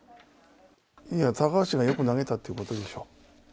高橋がよく投げたってことでしょう。